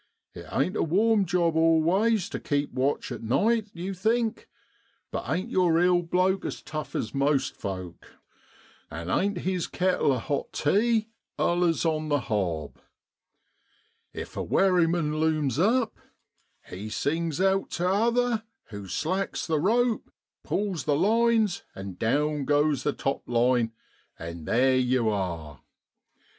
It ain't a warm job always, to keep watch at night, you think; but ain't your eel bloke as tough as most folk ? and ain't his kettle of hot tea allers on the hob ? If a wherryman looms up, he A FAIR WIND AND A FLOWING TIDE. sings out to the t'other, who slacks the rope, pulls the lines, and down goes the top line, and there you are.